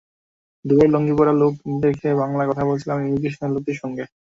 দুবাইয়ে লুঙ্গি পরা লোক দেখে বাংলায় কথা বলেছিলাম ইমিগ্রেশনের লোকের সঙ্গে।